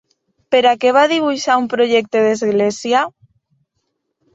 Per a què va dibuixar un projecte d'església?